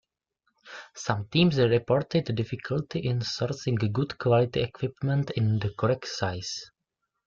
Some teams reported difficulty in sourcing good quality equipment in the correct size.